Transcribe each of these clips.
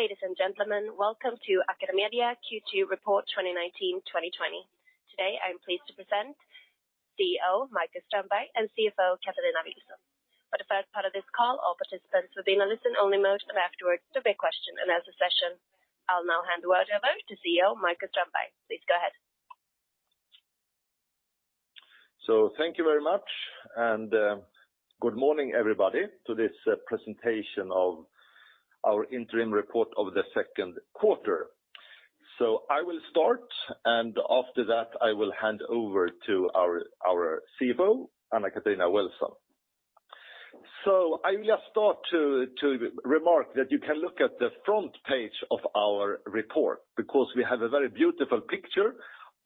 Ladies and gentlemen, welcome to AcadeMedia Q2 Report 2019/2020. Today, I'm pleased to present CEO, Marcus Strömberg, and CFO, Katarina Wilson. For the first part of this call, all participants will be in a listen-only mode. Afterwards, there'll be a question-and-answer session. I'll now hand the word over to CEO, Marcus Strömberg. Please go ahead. Thank you very much. Good morning everybody to this presentation of our interim report of the second quarter. I will start, and after that, I will hand over to our CFO, Anna-Katarina Wilson. I will just start to remark that you can look at the front page of our report because we have a very beautiful picture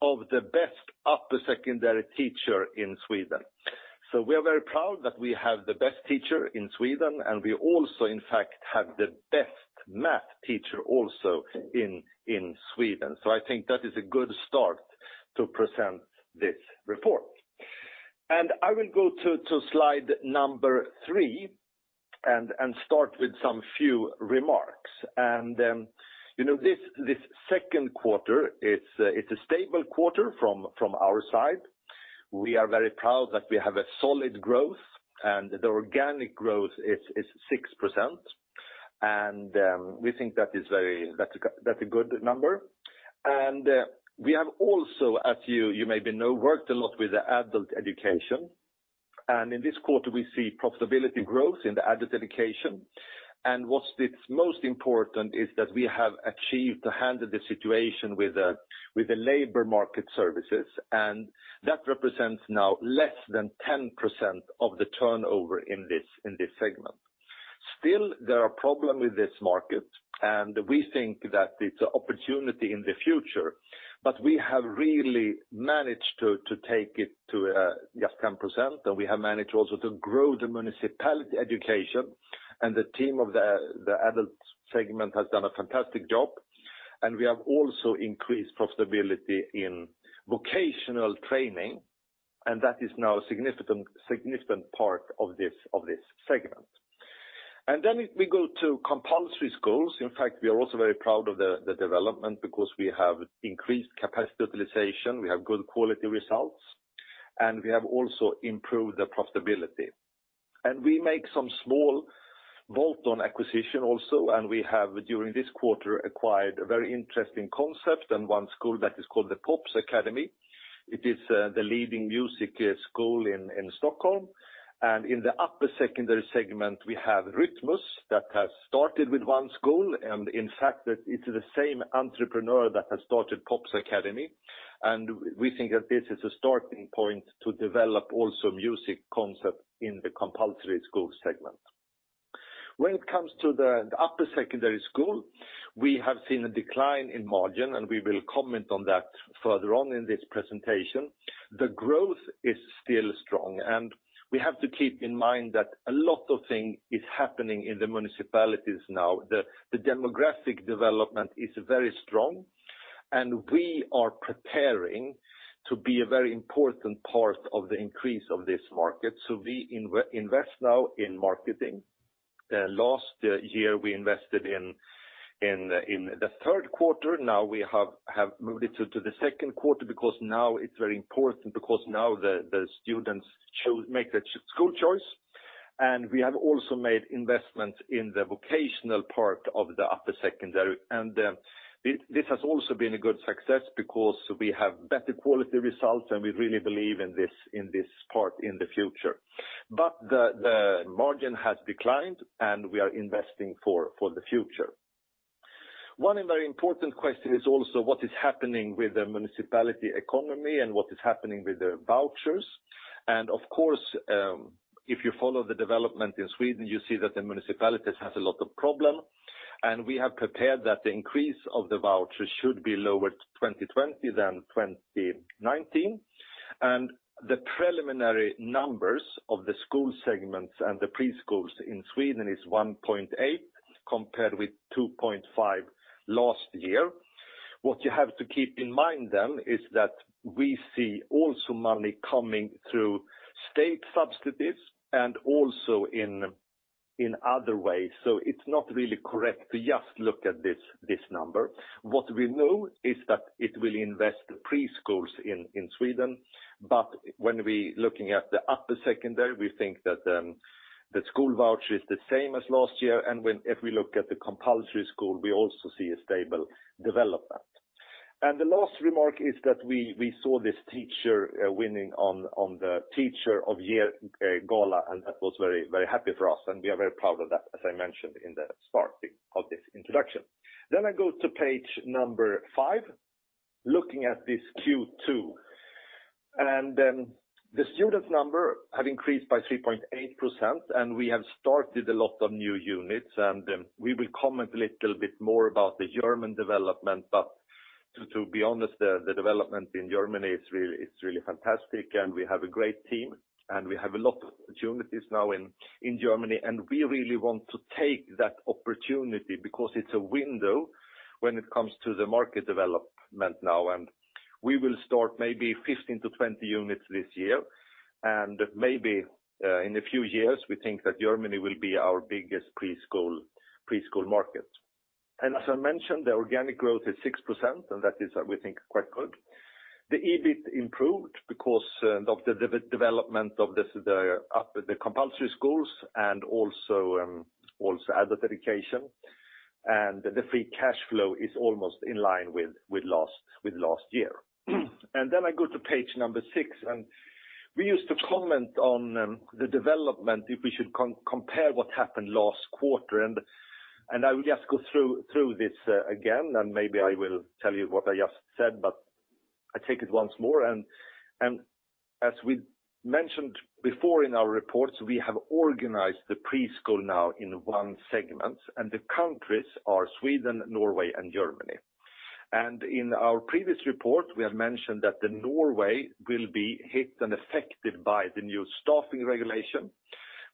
of the best upper secondary teacher in Sweden. We are very proud that we have the best teacher in Sweden, and we also, in fact, have the best math teacher also in Sweden. I think that is a good start to present this report. I will go to slide number three and start with some few remarks. This second quarter, it's a stable quarter from our side. We are very proud that we have a solid growth, and the organic growth is 6%. We think that's a good number. We have also, as you maybe know, worked a lot with adult education. In this quarter, we see profitability growth in the adult education. What's most important is that we have achieved to handle the situation with the labor market services. That represents now less than 10% of the turnover in this segment. Still, there are problems with this market, and we think that it's an opportunity in the future. We have really managed to take it to just 10%. We have managed also to grow the municipality education. The team of the adult segment has done a fantastic job. We have also increased profitability in vocational training, and that is now a significant part of this segment. We go to compulsory schools. In fact, we are also very proud of the development because we have increased capacity utilization, we have good quality results, and we have also improved the profitability. We make some small bolt-on acquisition also. We have, during this quarter, acquired a very interesting concept and one school that is called the Pops Academy. It is the leading music school in Stockholm. In the upper secondary segment, we have Rytmus that has started with one school, and in fact, it's the same entrepreneur that has started Pops Academy. We think that this is a starting point to develop also music concept in the compulsory school segment. When it comes to the upper secondary school, we have seen a decline in margin, and we will comment on that further on in this presentation. The growth is still strong. We have to keep in mind that a lot of things is happening in the municipalities now. The demographic development is very strong. We are preparing to be a very important part of the increase of this market. We invest now in marketing. Last year, we invested in the third quarter. Now we have moved it to the second quarter because now it's very important because now the students make their school choice. We have also made investments in the vocational part of the upper secondary. This has also been a good success because we have better quality results, and we really believe in this part in the future. The margin has declined, and we are investing for the future. One very important question is also what is happening with the municipality economy and what is happening with the vouchers. Of course, if you follow the development in Sweden, you see that the municipalities has a lot of problem. We have prepared that the increase of the voucher should be lower to 2020 than 2019. The preliminary numbers of the school segments and the preschools in Sweden is 1.8% compared with 2.5% last year. What you have to keep in mind then is that we see also money coming through state substitutes and also in other ways. It's not really correct to just look at this number. What we know is that it will invest preschools in Sweden. When we're looking at the upper secondary, we think that the school voucher is the same as last year. If we look at the compulsory school, we also see a stable development. The last remark is that we saw this teacher winning on the Teacher of the Year gala, and that was very happy for us. We are very proud of that, as I mentioned in the start of this introduction. I go to page number five, looking at this Q2. The student number have increased by 3.8%. We have started a lot of new units, and we will comment a little bit more about the German development. To be honest, the development in Germany is really fantastic. We have a great team. We have a lot of opportunities now in Germany. We really want to take that opportunity because it's a window when it comes to the market development now. We will start maybe 15-20 units this year, and maybe in a few years, we think that Germany will be our biggest preschool market. As I mentioned, the organic growth is 6%, and that is, we think, quite good. The EBIT improved because of the development of the compulsory schools and also adult education. The free cash flow is almost in line with last year. I go to page number 6. We used to comment on the development if we should compare what happened last quarter. I will just go through this again. Maybe I will tell you what I just said, but I take it once more. As we mentioned before in our reports, we have organized the preschool now in one segment. The countries are Sweden, Norway, and Germany. In our previous report, we have mentioned that Norway will be hit and affected by the new staffing regulation.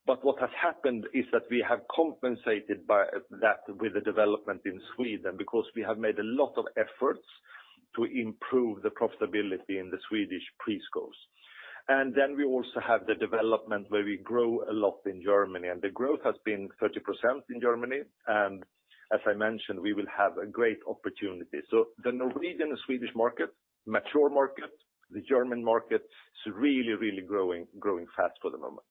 What has happened is that we have compensated that with the development in Sweden, because we have made a lot of efforts to improve the profitability in the Swedish preschools. We also have the development where we grow a lot in Germany. The growth has been 30% in Germany. As I mentioned, we will have a great opportunity. The Norwegian and Swedish market, mature market, the German market is really growing fast for the moment.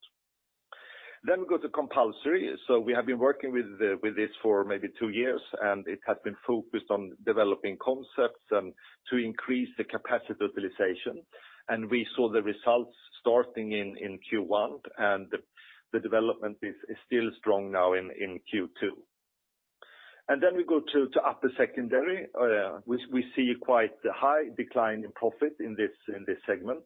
We go to compulsory. We have been working with this for maybe 2 years. It has been focused on developing concepts and to increase the capacity utilization. We saw the results starting in Q1. The development is still strong now in Q2. We go to upper secondary, which we see quite a high decline in profit in this segment.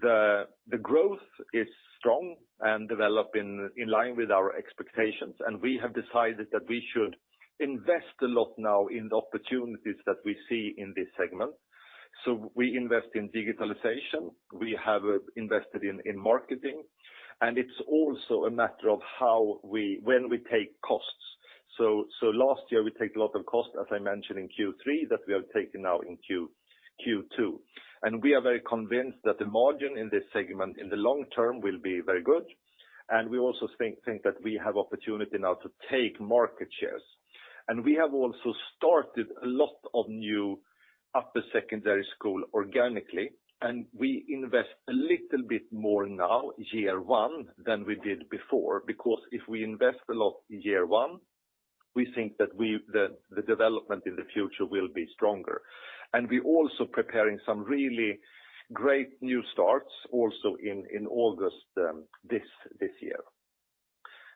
The growth is strong and developing in line with our expectations. We have decided that we should invest a lot now in the opportunities that we see in this segment. We invest in digitalization. We have invested in marketing. It's also a matter of when we take costs. Last year, we take a lot of cost, as I mentioned in Q3, that we are taking now in Q2. We are very convinced that the margin in this segment in the long term will be very good. We also think that we have opportunity now to take market shares. We have also started a lot of new upper secondary school organically. We invest a little bit more now, year one, than we did before, because if we invest a lot in year one, we think that the development in the future will be stronger. We're also preparing some really great new starts also in August this year.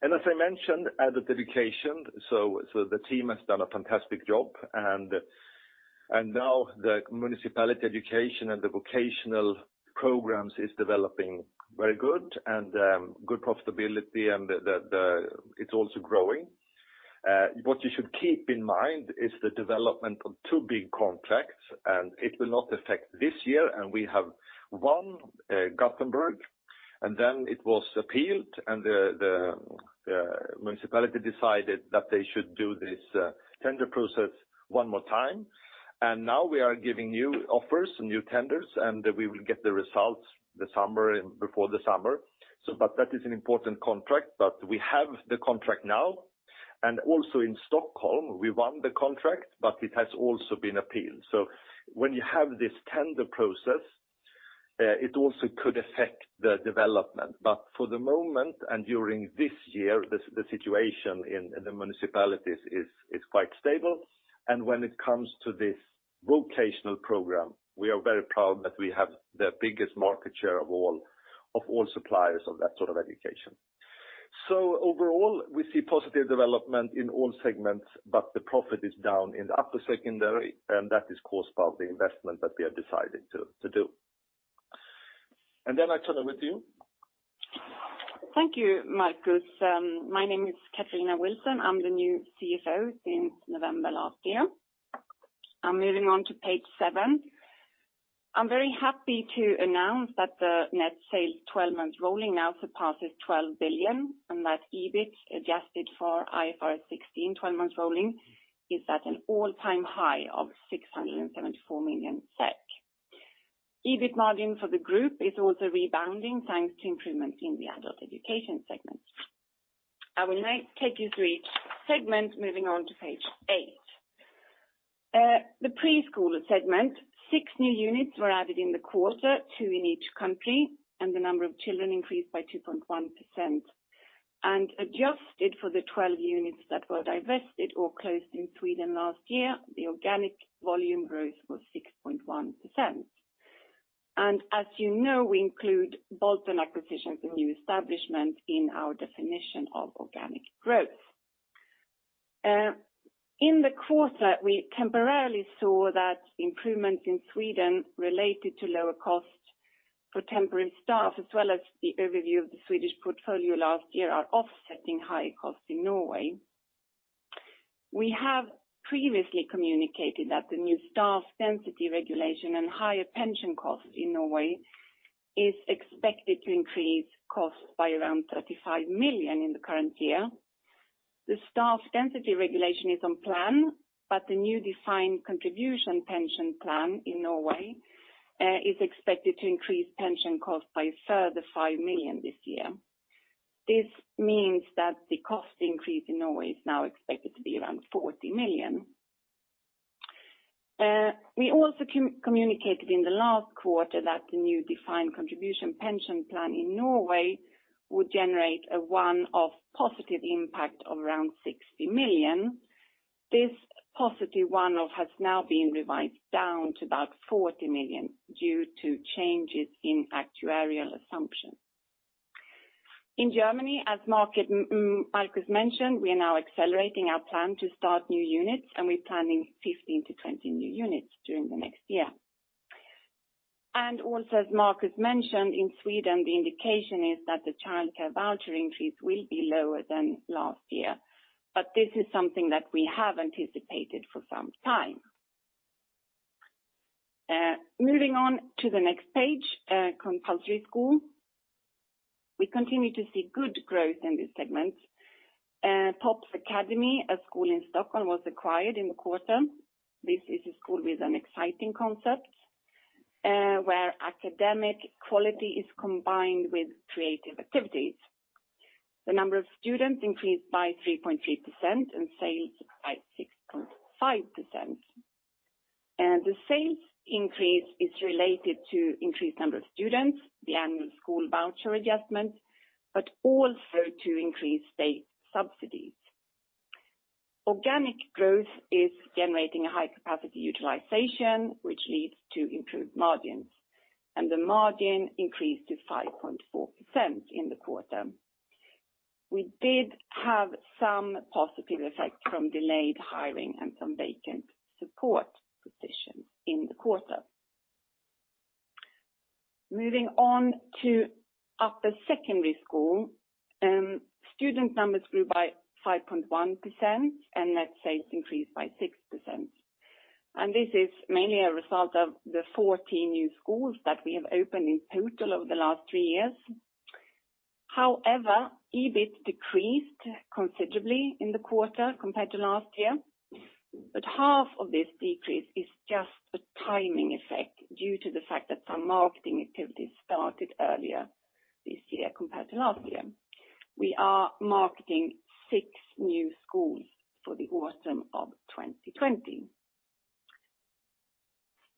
As I mentioned, adult education, the team has done a fantastic job. Now the municipality education and the vocational programs is developing very good and good profitability, and it's also growing. What you should keep in mind is the development of 2 big contracts. It will not affect this year. We have won Gothenburg. Then it was appealed, and the municipality decided that they should do this tender process one more time. Now we are giving new offers, new tenders. We will get the results before the summer. That is an important contract. We have the contract now. Also in Stockholm, we won the contract, but it has also been appealed. When you have this tender process, it also could affect the development. For the moment and during this year, the situation in the municipalities is quite stable. When it comes to this vocational program, we are very proud that we have the biggest market share of all suppliers of that sort of education. Overall, we see positive development in all segments, the profit is down in the upper secondary, that is caused by the investment that we have decided to do. I turn over to you. Thank you, Marcus. My name is Katarina Wilson. I am the new CFO since November last year. I am moving on to page seven. I am very happy to announce that the net sales 12 months rolling now surpasses 12 billion, EBIT adjusted for IFRS 16, 12 months rolling, is at an all-time high of 674 million SEK. EBIT margin for the group is also rebounding, thanks to improvements in the adult education segment. I will now take you through each segment, moving on to page eight. The preschool segment, six new units were added in the quarter, two in each country, the number of children increased by 2.1%. Adjusted for the 12 units that were divested or closed in Sweden last year, the organic volume growth was 6.1%. As you know, we include bolt-on acquisitions and new establishments in our definition of organic growth. In the quarter, we temporarily saw that improvements in Sweden related to lower cost for temporary staff, as well as the overview of the Swedish portfolio last year are offsetting higher costs in Norway. We have previously communicated that the new Statutory pupil-to-teacher ratio and higher pension costs in Norway is expected to increase costs by around 35 million in the current year. The Statutory pupil-to-teacher ratio is on plan, the new defined contribution pension plan in Norway is expected to increase pension costs by a further 5 million this year. This means that the cost increase in Norway is now expected to be around 40 million. We also communicated in the last quarter that the new defined contribution pension plan in Norway would generate a one-off positive impact of around 60 million. This positive one-off has now been revised down to about 40 million due to changes in actuarial assumptions. In Germany, as Marcus mentioned, we are now accelerating our plan to start new units, we are planning 15 to 20 new units during the next year. Also, as Marcus mentioned, in Sweden, the indication is that the childcare voucher increase will be lower than last year, this is something that we have anticipated for some time. Moving on to the next page, compulsory school. We continue to see good growth in this segment. Pops Academy, a school in Stockholm, was acquired in the quarter. This is a school with an exciting concept, where academic quality is combined with creative activities. The number of students increased by 3.3% and sales by 6.5%. The sales increase is related to increased number of students, the annual school voucher adjustment. Also to increased state subsidies. Organic growth is generating a high capacity utilization, which leads to improved margins. The margin increased to 5.4% in the quarter. We did have some positive effect from delayed hiring and some vacant support positions in the quarter. Moving on to upper secondary school. Student numbers grew by 5.1%. Net sales increased by 6%. This is mainly a result of the 14 new schools that we have opened in total over the last three years. However, EBIT decreased considerably in the quarter compared to last year. Half of this decrease is just a timing effect due to the fact that some marketing activities started earlier this year compared to last year. We are marketing six new schools for the autumn of 2020.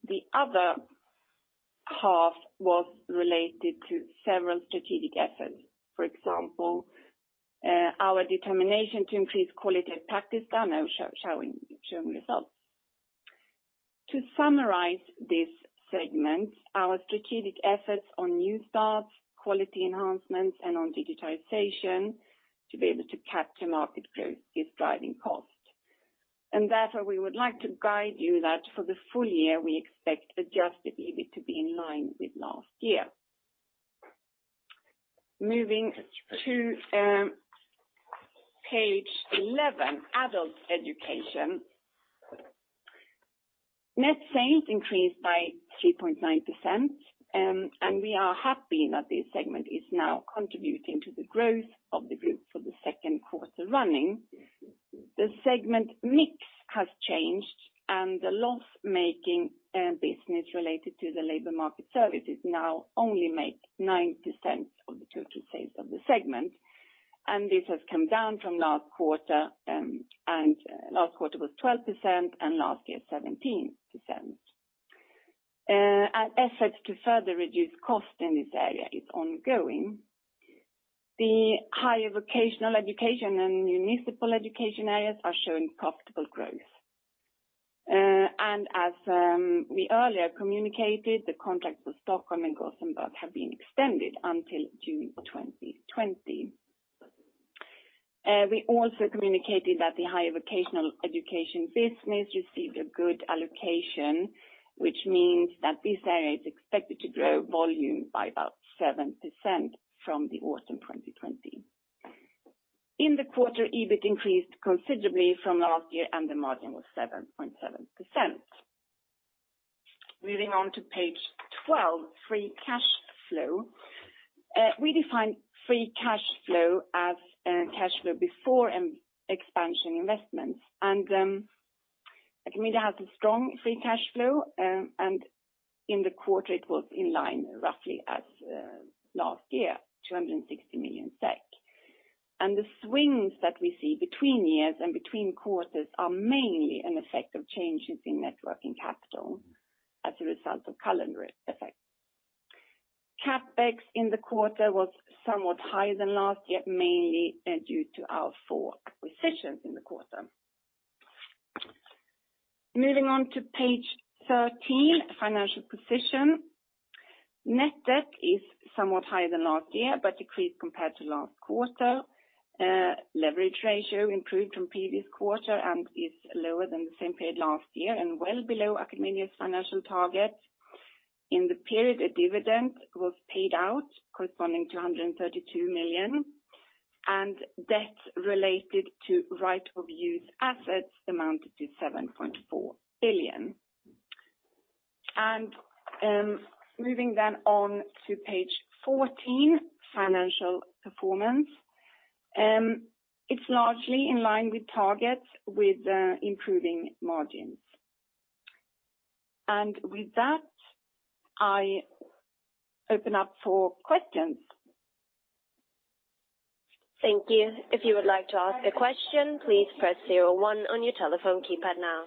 The other half was related to several strategic efforts. For example, our determination to increase quality at Praktiska is showing results. To summarize this segment, our strategic efforts on new starts, quality enhancements, and on digitization to be able to capture market growth is driving costs. Therefore, we would like to guide you that for the full year, we expect adjusted EBIT to be in line with last year. Moving to page 11, adult education. Net sales increased by 3.9%. We are happy that this segment is now contributing to the growth of the group for the second quarter running. The segment mix has changed. The loss-making business related to the labor market services now only make 9% of the total sales of the segment. This has come down from last quarter. Last quarter was 12%, and last year, 17%. Our efforts to further reduce cost in this area is ongoing. The higher vocational education and municipal education areas are showing profitable growth. As we earlier communicated, the contracts of Stockholm and Gothenburg have been extended until June 2020. We also communicated that the higher vocational education business received a good allocation, which means that this area is expected to grow volume by about 7% from the autumn 2020. In the quarter, EBIT increased considerably from last year. The margin was 7.7%. Moving on to page 12, free cash flow. We define free cash flow as cash flow before expansion investments. AcadeMedia has a strong free cash flow. In the quarter it was in line roughly as last year, 260 million SEK. The swings that we see between years and between quarters are mainly an effect of changes in net working capital as a result of calendar effects. CapEx in the quarter was somewhat higher than last year, mainly due to our four acquisitions in the quarter. Moving on to page 13, financial position. Net debt is somewhat higher than last year. Decreased compared to last quarter. Leverage ratio improved from previous quarter and is lower than the same period last year. Well below AcadeMedia's financial target. In the period, a dividend was paid out corresponding to 232 million. Debt related to right-of-use assets amounted to 7.4 billion. Moving then on to page 14, financial performance. It's largely in line with targets with improving margins. With that, I open up for questions. Thank you. If you would like to ask a question, please press 01 on your telephone keypad now.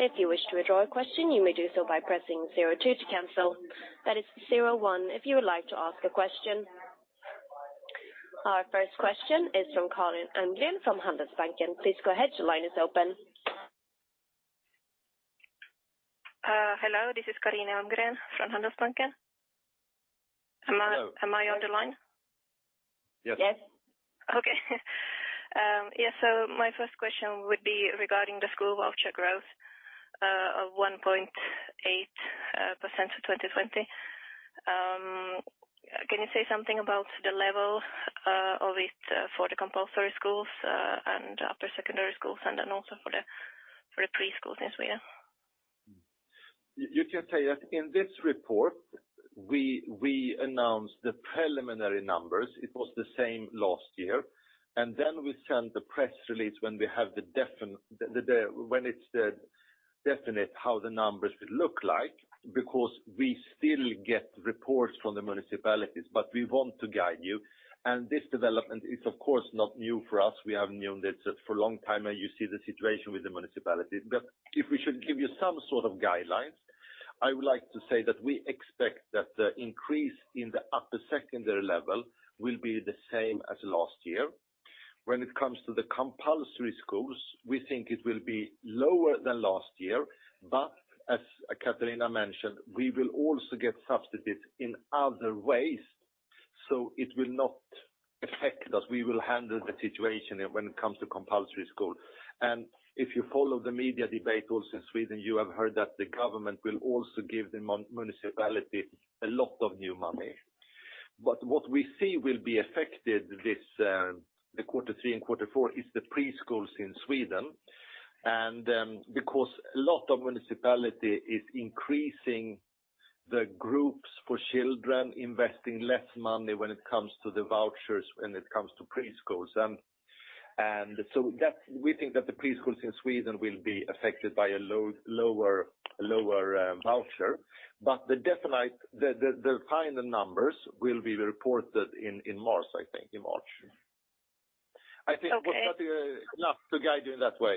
If you wish to withdraw a question, you may do so by pressing 02 to cancel. That is 01 if you would like to ask a question. Our first question is from Carina Almgren from Handelsbanken. Please go ahead. Your line is open. Hello, this is Carina Almgren from Handelsbanken. Hello. Am I on the line? Yes. Yes. Okay. Yeah. My first question would be regarding the school voucher growth of 1.8% for 2020. Can you say something about the level of it for the compulsory schools and upper secondary schools and then also for the preschools in Sweden? You can say that in this report, we announced the preliminary numbers. It was the same last year. We send the press release when it's definite how the numbers will look like, because we still get reports from the municipalities, but we want to guide you. This development is of course not new for us. We have known this for a long time, and you see the situation with the municipalities. If we should give you some sort of guidelines, I would like to say that we expect that the increase in the upper secondary level will be the same as last year. When it comes to the compulsory schools, we think it will be lower than last year. As Katarina mentioned, we will also get subsidies in other ways, so it will not affect us. We will handle the situation when it comes to compulsory school. If you follow the media debate also in Sweden, you have heard that the government will also give the municipality a lot of new money. What we see will be affected this quarter 3 and quarter 4 is the preschools in Sweden. Because a lot of municipality is increasing the groups for children, investing less money when it comes to the vouchers in it comes to preschools. We think that the preschools in Sweden will be affected by a lower voucher. The definite, the final numbers will be reported in March, I think. Okay. I think was that enough to guide you in that way?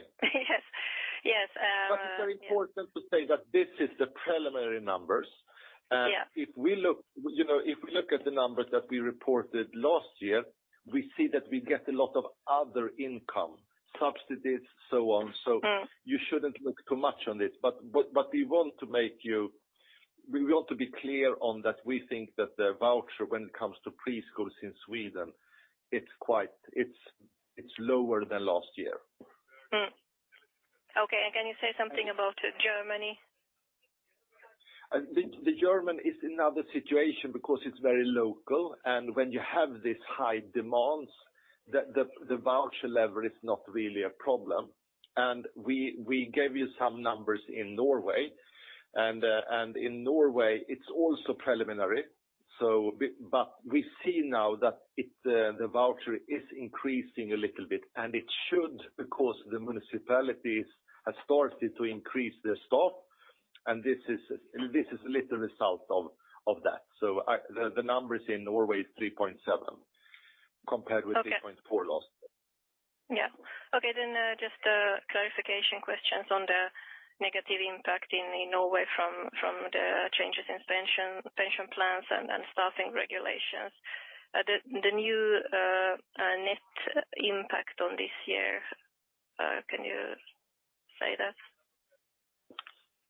Yes. It's very important to say that this is the preliminary numbers. Yeah. If we look at the numbers that we reported last year, we see that we get a lot of other income, subsidies, so on. You shouldn't look too much on it. We want to be clear on that we think that the voucher, when it comes to preschools in Sweden, it's lower than last year. Okay, can you say something about Germany? The German is another situation because it's very local, when you have these high demands, the voucher level is not really a problem. We gave you some numbers in Norway, in Norway it's also preliminary. We see now that the voucher is increasing a little bit, it should because the municipalities have started to increase their staff, this is a little result of that. The numbers in Norway is 3.7 compared with 3.4 last year. Yeah. Okay, just clarification questions on the negative impact in Norway from the changes in pension plans and staffing regulations. The new net impact on this year, can you say that?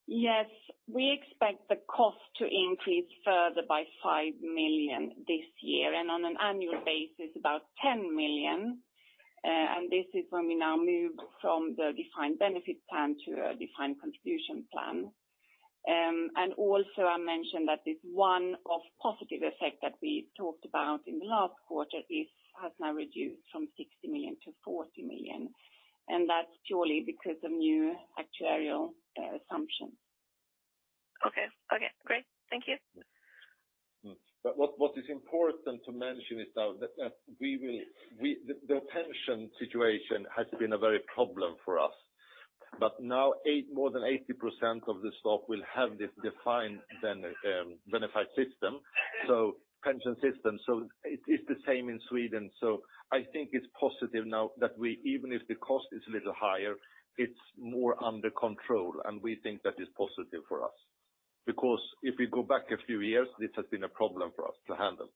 Yes. We expect the cost to increase further by 5 million this year. On an annual basis, about 10 million. This is when we now move from the defined benefit plan to a defined contribution plan. Also, I mentioned that this one-off positive effect that we talked about in the last quarter has now reduced from 60 million to 40 million, and that's purely because of new actuarial assumptions. Okay, great. Thank you. What is important to mention is now that the pension situation has been a very problem for us. Now more than 80% of the stock will have this defined benefit system, pension system. It's the same in Sweden. I think it's positive now that even if the cost is a little higher, it's more under control, and we think that is positive for us. If we go back a few years, this has been a problem for us to handle.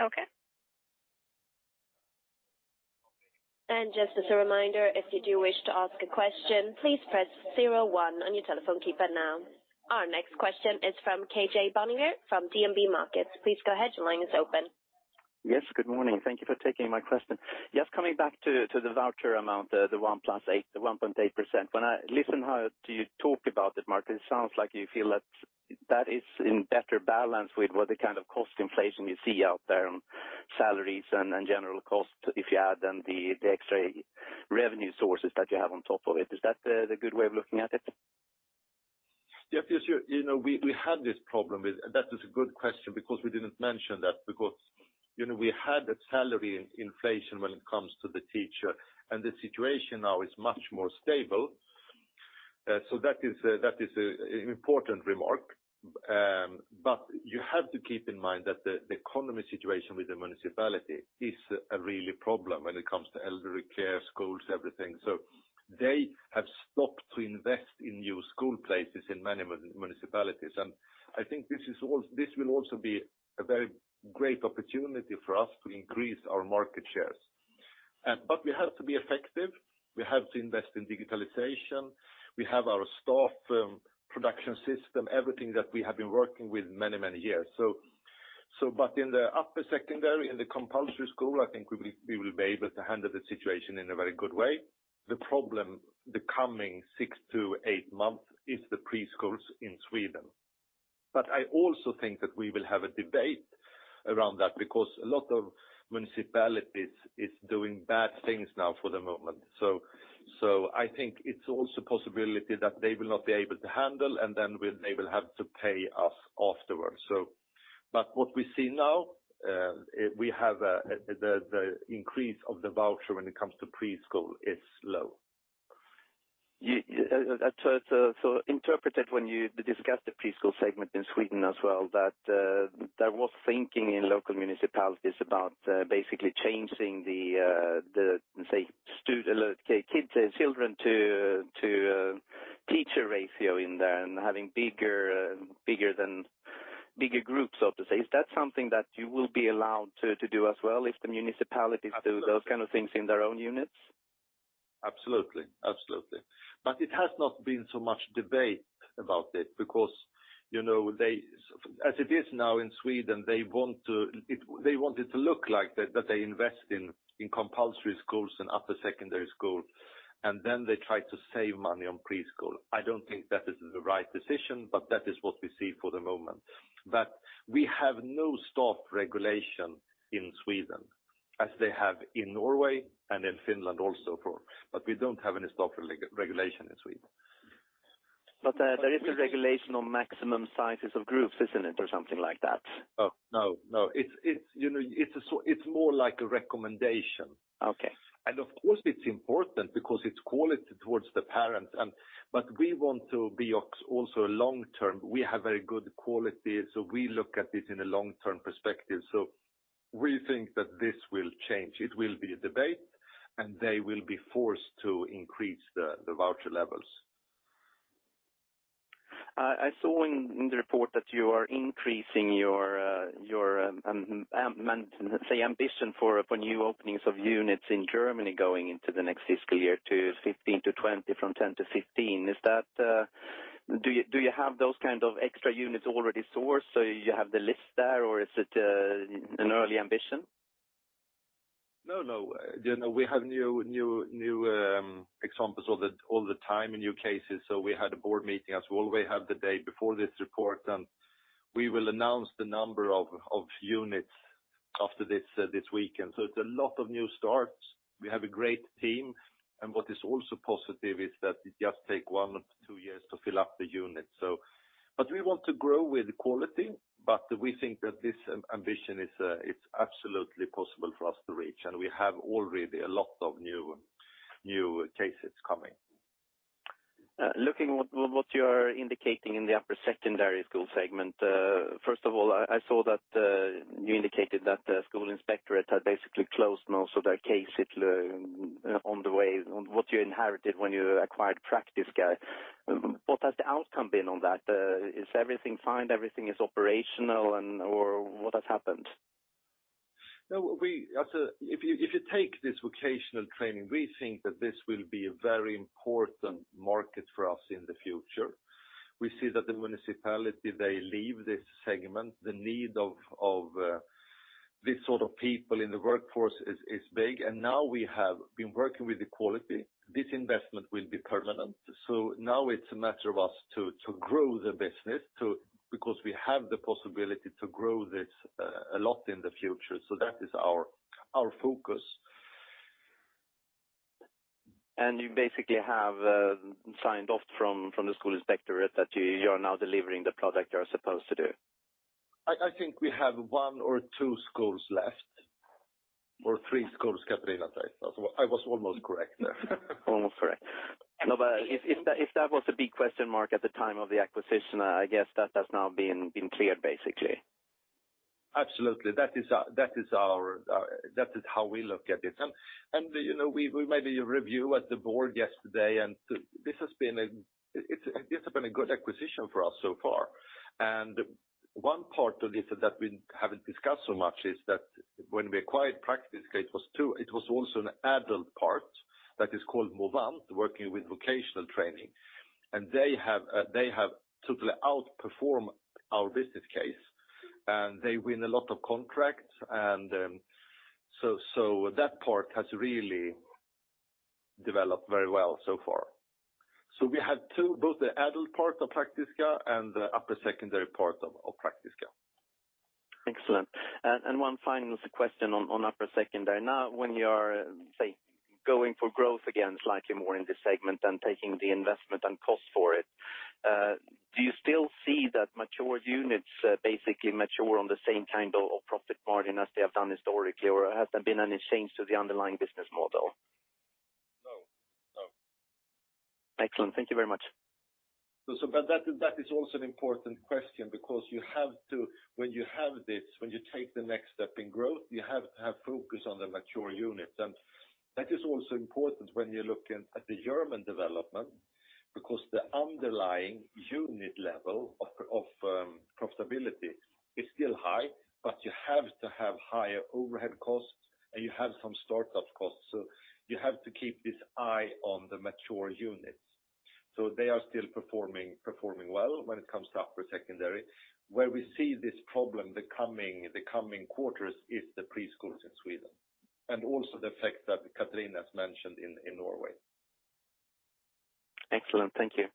Okay. Just as a reminder, if you do wish to ask a question, please press 01 on your telephone keypad now. Our next question is from KJ Bonnevier from DNB Markets. Please go ahead, your line is open. Yes, good morning. Thank you for taking my question. Just coming back to the voucher amount, the 1.8%. When I listen to you talk about it, Marcus, it sounds like you feel that that is in better balance with what the kind of cost inflation you see out there on salaries and general costs if you add them, the extra revenue sources that you have on top of it. Is that the good way of looking at it? Yes. That is a good question because we didn't mention that because we had a salary inflation when it comes to the teacher, and the situation now is much more stable. That is an important remark. You have to keep in mind that the economy situation with the municipality is really a problem when it comes to elderly care, schools, everything. They have stopped to invest in new school places in many municipalities. I think this will also be a very great opportunity for us to increase our market shares. We have to be effective. We have to invest in digitalization. We have our staff production system, everything that we have been working with many years. In the upper secondary, in the compulsory school, I think we will be able to handle the situation in a very good way. The problem the coming six to eight months is the preschools in Sweden. I also think that we will have a debate around that because a lot of municipalities is doing bad things now for the moment. I think it's also a possibility that they will not be able to handle and then they will have to pay us afterwards. What we see now, we have the increase of the voucher when it comes to preschool is low. Interpreted when you discussed the preschool segment in Sweden as well, that there was thinking in local municipalities about basically changing the, let's say, children to teacher ratio in there and having bigger groups, so to say. Is that something that you will be allowed to do as well if the municipalities- Absolutely do those kind of things in their own units? Absolutely. It has not been so much debate about it because, as it is now in Sweden, they want it to look like that they invest in compulsory schools and upper secondary school, and then they try to save money on preschool. I don't think that this is the right decision, but that is what we see for the moment. We have no staff regulation in Sweden, as they have in Norway and in Finland also. We don't have any staff regulation in Sweden. There is a regulation on maximum sizes of groups, isn't it? Something like that? No. It's more like a recommendation. Okay. It's important because it's quality towards the parent. We want to be also long-term. We have very good quality, so we look at it in a long-term perspective. We think that this will change. It will be a debate, and they will be forced to increase the voucher levels. I saw in the report that you are increasing your, say, ambition for new openings of units in Germany going into the next fiscal year to 15-20 from 10-15. Do you have those kind of extra units already sourced? You have the list there, or is it an early ambition? No. We have new examples all the time and new cases. We had a board meeting, as we always have the day before this report, and we will announce the number of units after this weekend. It's a lot of new starts. We have a great team, and what is also positive is that it just take 1-2 years to fill up the unit. We want to grow with quality, but we think that this ambition is absolutely possible for us to reach, and we have already a lot of new cases coming. Looking what you're indicating in the upper secondary school segment, first of all, I saw that you indicated that the school inspectorate had basically closed most of their cases on the way on what you inherited when you acquired Praktiska. What has the outcome been on that? Is everything fine? Everything is operational and, or what has happened? If you take this vocational training, we think that this will be a very important market for us in the future. We see that the municipality, they leave this segment. The need of this sort of people in the workforce is big. Now we have been working with the quality. This investment will be permanent. Now it's a matter of us to grow the business because we have the possibility to grow this a lot in the future. That is our focus. You basically have signed off from the school inspectorate that you are now delivering the product you are supposed to do? I think we have one or two schools left, or three schools, Katarina. I was almost correct there. Almost correct. If that was a big question mark at the time of the acquisition, I guess that has now been cleared, basically. Absolutely. That is how we look at it. We made a review at the board yesterday, and it has been a good acquisition for us so far. One part of this that we haven't discussed so much is that when we acquired Praktiska, it was also an adult part that is called Movant, working with vocational training. They have totally outperformed our business case, and they win a lot of contracts. That part has really developed very well so far. We have two, both the adult part of Praktiska and the upper secondary part of Praktiska. Excellent. One final question on upper secondary. Now, when you are going for growth again, slightly more in this segment than taking the investment and cost for it, do you still see that mature units basically mature on the same kind of profit margin as they have done historically? Has there been any change to the underlying business model? No. Excellent. Thank you very much. That is also an important question because when you take the next step in growth, you have to have focus on the mature units. That is also important when you're looking at the German development, because the underlying unit level of profitability is still high, but you have to have higher overhead costs, and you have some startup costs. You have to keep this eye on the mature units. They are still performing well when it comes to upper secondary. Where we see this problem the coming quarters is the preschools in Sweden, and also the effect that Katarina has mentioned in Norway. Excellent. Thank you.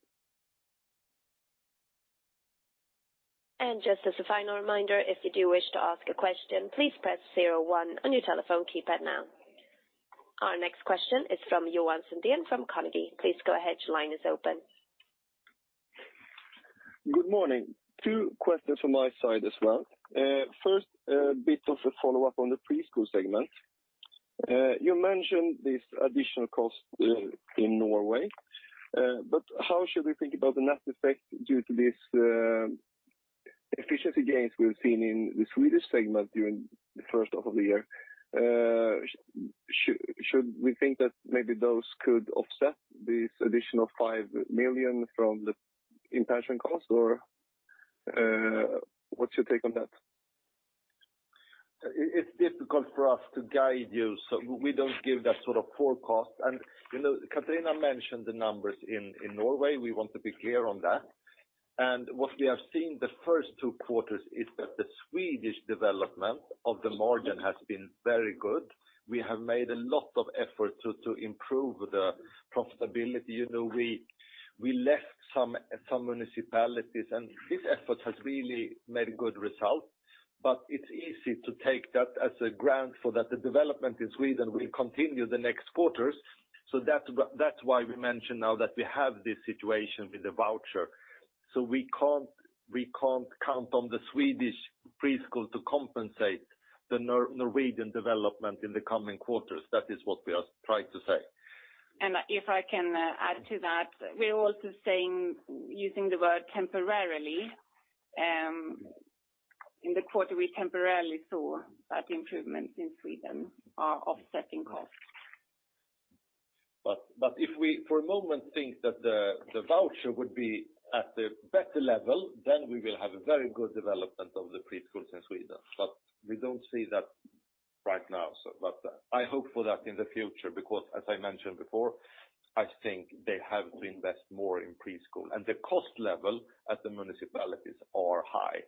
Just as a final reminder, if you do wish to ask a question, please press zero one on your telephone keypad now. Our next question is from Johan Sundén from Carnegie. Please go ahead. Your line is open. Good morning. Two questions from my side as well. First, a bit of a follow-up on the preschool segment. You mentioned this additional cost in Norway. How should we think about the net effect due to this efficiency gains we've seen in the Swedish segment during the first half of the year? Should we think that maybe those could offset this additional 5 million from the intention cost? What's your take on that? It is difficult for us to guide you, so we don't give that sort of forecast. Katarina mentioned the numbers in Norway. We want to be clear on that. What we have seen the first two quarters is that the Swedish development of the margin has been very good. We have made a lot of effort to improve the profitability. We left some municipalities, and this effort has really made good results. It is easy to take that as a grant for that the development in Sweden will continue the next quarters. That is why we mention now that we have this situation with the voucher. We can't count on the Swedish preschool to compensate the Norwegian development in the coming quarters. That is what we are trying to say. If I can add to that, we are also using the word temporarily. In the quarter, we temporarily saw that improvements in Sweden are offsetting costs. If we, for a moment, think that the voucher would be at a better level, then we will have a very good development of the preschools in Sweden. We don't see that right now. I hope for that in the future, because as I mentioned before, I think they have to invest more in preschool. The cost level at the municipalities are high.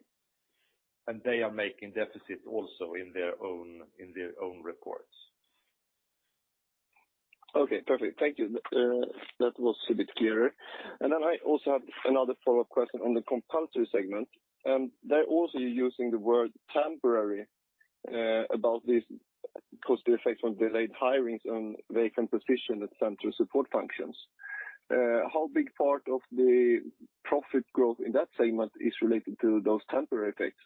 They are making deficit also in their own reports. Okay, perfect. Thank you. That was a bit clearer. Then I also have another follow-up question on the compulsory segment. There also you are using the word temporary about this cost effect from delayed hirings on vacant position at central support functions. How big part of the profit growth in that segment is related to those temporary effects?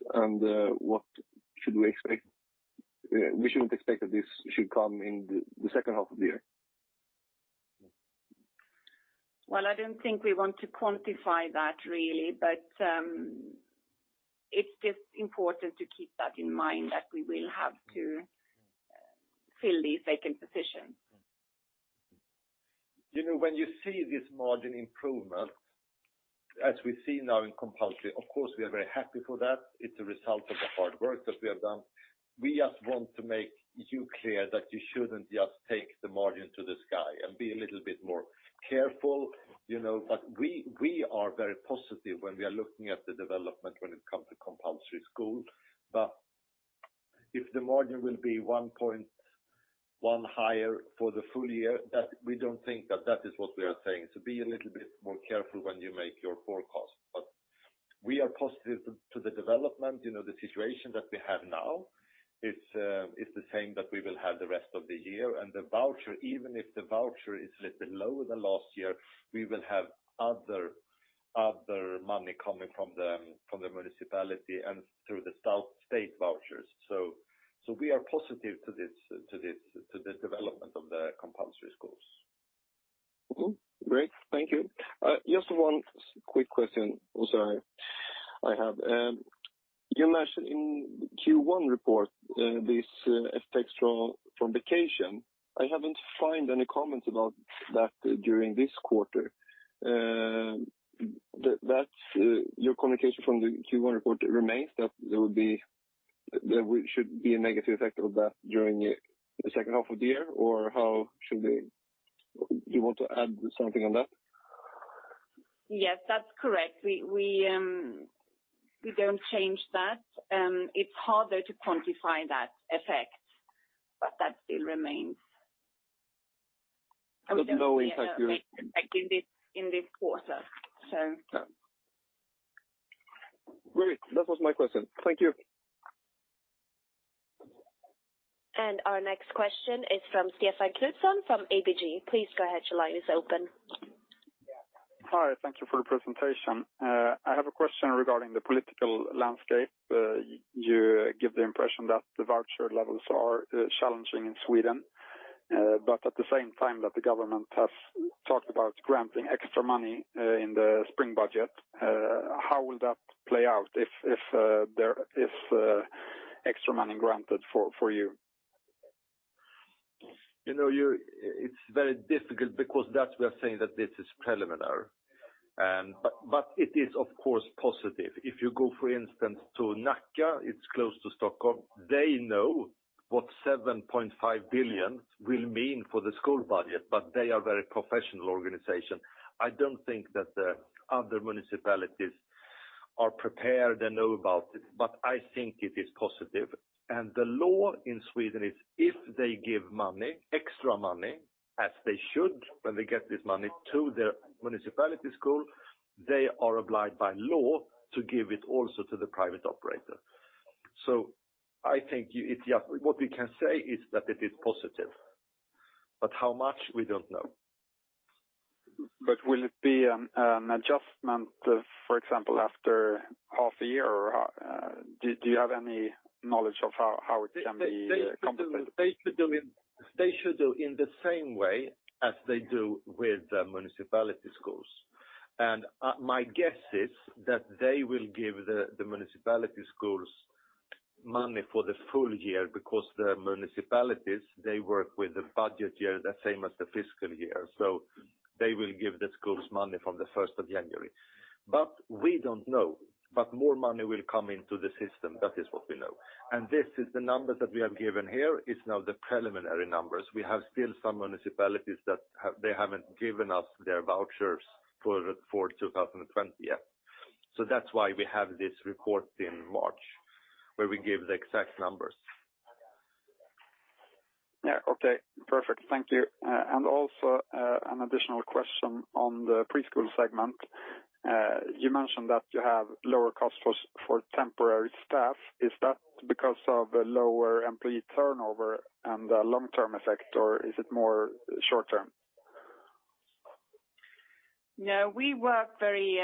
We shouldn't expect that this should come in the second half of the year? Well, I don't think we want to quantify that really. It's just important to keep that in mind that we will have to fill these vacant positions. When you see this margin improvement, as we see now in compulsory, of course, we are very happy for that. It's a result of the hard work that we have done. We just want to make you clear that you shouldn't just take the margin to the sky and be a little bit more careful. We are very positive when we are looking at the development when it comes to compulsory school. If the margin will be 1.1 higher for the full year, we don't think that is what we are saying. Be a little bit more careful when you make your forecast. We are positive to the development. The situation that we have now is the same that we will have the rest of the year. Even if the voucher is a little lower than last year, we will have other money coming from the municipality and through the state vouchers. We are positive to this development of the compulsory schools. Great. Thank you. Just one quick question also I have. You mentioned in Q1 report this effects from vacation. I haven't find any comments about that during this quarter. Your communication from the Q1 report remains that there should be a negative effect of that during the second half of the year? Do you want to add something on that? Yes, that's correct. We don't change that. It's harder to quantify that effect, but that still remains. No impact yet. In this quarter. Great. That was my question. Thank you. Our next question is from Stefan Knutsson from ABG. Please go ahead. Your line is open. Hi. Thank you for the presentation. I have a question regarding the political landscape. You give the impression that the voucher levels are challenging in Sweden, at the same time that the government has talked about granting extra money in the spring budget. How will that play out if extra money granted for you? It's very difficult because that we are saying that this is preliminary. It is of course positive. If you go, for instance, to Nacka, it's close to Stockholm. They know what 7.5 billion will mean for the school budget, but they are very professional organization. I don't think that the other municipalities are prepared and know about it, but I think it is positive. The law in Sweden is if they give money, extra money, as they should when they get this money to their municipality school, they are obliged by law to give it also to the private operator. I think what we can say is that it is positive, but how much we don't know. Will it be an adjustment, for example, after half a year? Do you have any knowledge of how it can be compensated? They should do in the same way as they do with the municipality schools. My guess is that they will give the municipality schools money for the full year because the municipalities, they work with the budget year the same as the fiscal year. They will give the schools money from the 1st of January. We don't know. More money will come into the system. That is what we know. This is the numbers that we have given here is now the preliminary numbers. We have still some municipalities that they haven't given us their vouchers for 2020 yet. That's why we have this report in March where we give the exact numbers. Yeah. Okay, perfect. Thank you. Also, an additional question on the preschool segment. You mentioned that you have lower cost for temporary staff. Is that because of lower employee turnover and the long-term effect, or is it more short-term? We work very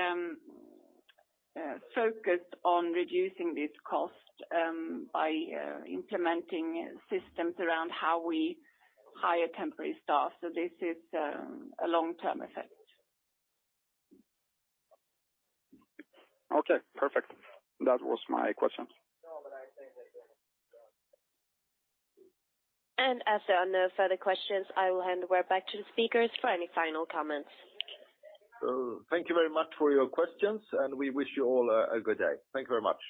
focused on reducing this cost by implementing systems around how we hire temporary staff. This is a long-term effect. Okay, perfect. That was my questions. As there are no further questions, I will hand the word back to the speakers for any final comments. Thank you very much for your questions, and we wish you all a good day. Thank you very much.